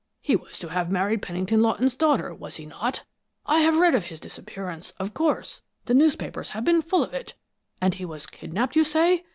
He was to have married Pennington Lawton's daughter, was he not? I have read of his disappearance, of course; the newspapers have been full of it. And he was kidnaped, you say?